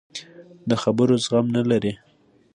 د خبرو زغم نه لري.